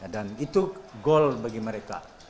dan itu gol bagi mereka